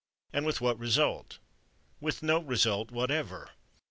And with what result? With no result whatever.